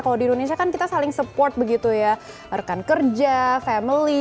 kalau di indonesia kan kita saling support begitu ya rekan kerja family